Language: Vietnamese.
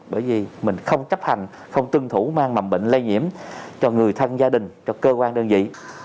bởi vì mình không chấp hành không tuân thủ mang mầm bệnh lây nhiễm cho người thân gia đình cho cơ quan đơn vị